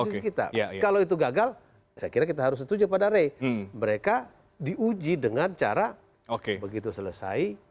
ya kalau itu gagal saya kira kita harus setuju pada re mereka diuji dengan cara oke begitu selesai